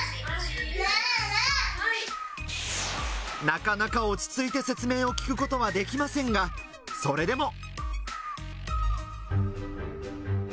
なかなか落ち着いて説明を聞くことはできませんが、それでも。